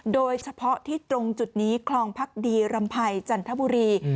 โดยเฉพาะที่ตรงจุดนี้คลองพักดีรำภัยจันทบุรี